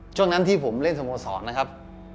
ช่วงนั้นที่ผมเล่นสโมสรนะครับ